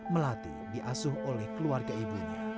melati diasuh oleh keluarga ibunya